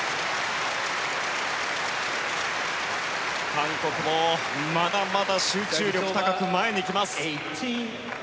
韓国もまだまだ集中力高く前に来ます。